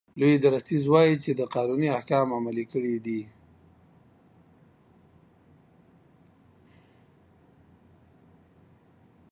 لوی درستیز وایي چې ده قانوني احکام عملي کړي دي.